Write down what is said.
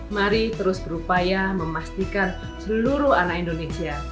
mari terus berupaya memastikan seluruh anak indonesia